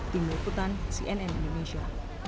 tim liputan cnn indonesia